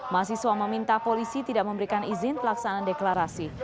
mahasiswa meminta polisi tidak memberikan izin pelaksanaan deklarasi